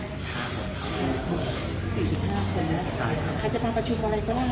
คันจะมาประชุมอะไรก็ได้เนี่ย